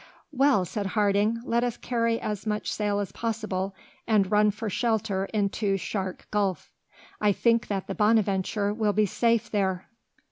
"Well," said Harding, "let us carry as much sail as possible, and run for shelter into Shark Gulf. I think that the Bonadventure will be safe there."